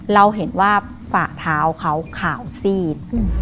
เราเห็นว่าฝ่าเท้าเขาขาวซีด